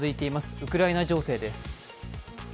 ウクライナ情勢です。